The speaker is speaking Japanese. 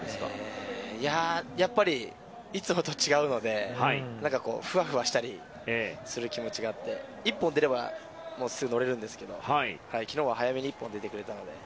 やっぱり、いつもと違うのでふわふわしたりする気持ちがあって１本出ればすぐ乗れるんですけど昨日は早めに１本出てくれたので。